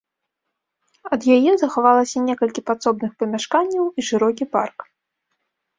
Ад яе захавалася некалькі падсобных памяшканняў і шырокі парк.